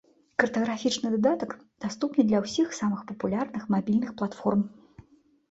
Картаграфічны дадатак даступны для ўсіх самых папулярных мабільных платформ.